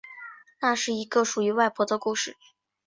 那是一个属于外婆的故事